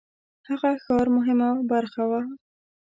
هغه ښار مهمه برخه وه.